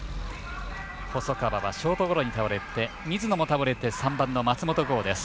細川はショートゴロに倒れて水野も倒れて３番の松本剛です。